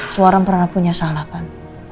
seorang pernah punya salah kan